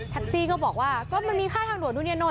ซี่ก็บอกว่าก็มันมีค่าทางด่วนดูเนียน